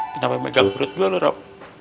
kenapa megang perut dua loh rob